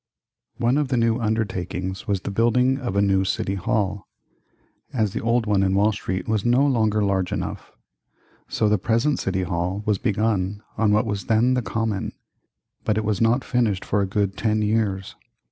One of the new undertakings was the building of a new City Hall, as the old one in Wall Street was no longer large enough. So the present City Hall was begun on what was then the Common, but it was not finished for a good ten years.